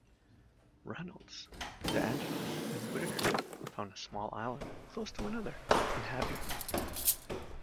Reynolds, De Angelis, and Whittwaker found a small island, close to another, inhabited one.